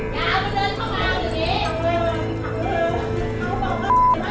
อย่าเอามันเดินเข้ามา